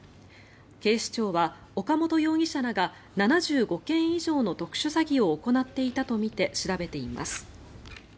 警視庁は岡本容疑者らが７５件以上の特殊詐欺を行っていたとみて調べています。